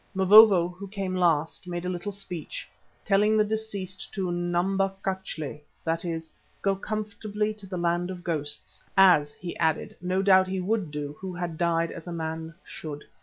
Mavovo, who came last, made a little speech, telling the deceased to namba kachle, that is, go comfortably to the land of ghosts, as, he added, no doubt he would do who had died as a man should.